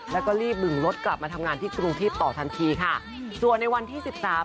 แล้วก็รีบบึงรถกลับมาทำงานที่กรุงเทพต่อทันทีค่ะส่วนในวันที่สิบสาม